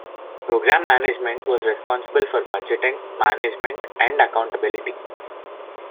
Program Management was responsible for budgeting, management and accountability.